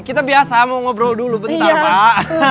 kita biasa mau ngobrol dulu bentar pak